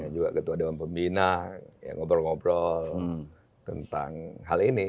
juga ketua dewan pembina yang ngobrol ngobrol tentang hal ini